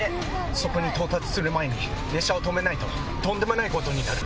そこに到達する前に止めないととんでもないことになる。